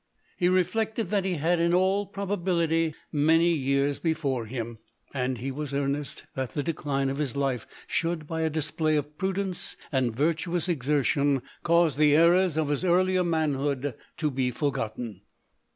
He reflected that he had in all probability many years before him, and he was earnest that the decline of his life should, by a display of prudence and virtuous exertion, cause tlie errors of his earlier manhood to be forgotten.